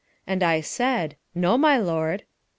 And I said, No, my lord.